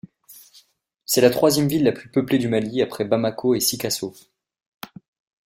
C’est la troisième ville la plus peuplée du Mali après Bamako et Sikasso.